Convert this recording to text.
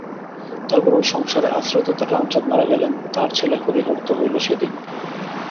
তারপর ঐ সংসারে আশ্রয়দাতা রামচাঁদ মারা গেলেন, তাঁর ছেলে হরিহর তো হইল সেদিন।